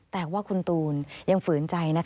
แต่ว่าคุณตูนยังฝืนใจ